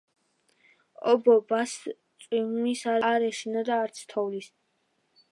ობობას წვიმის არ ეშინოდა.არ ეშინოდა არც თოვლის.